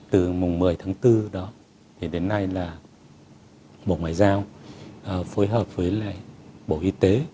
từ mùng một mươi tháng bốn đó thì đến nay là bộ ngoại giao phối hợp với lại bộ y tế